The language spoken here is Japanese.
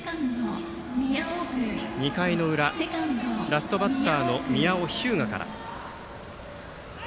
２回の裏、ラストバッターの宮尾日向から。